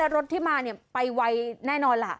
รถที่มาไปไวแน่นอนล่ะ